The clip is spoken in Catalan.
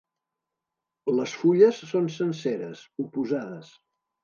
Les fulles són senceres, oposades.